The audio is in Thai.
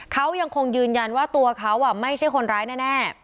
เขายังคงยืนยันว่าตัวเขาไม่ใช่คนร้ายแน่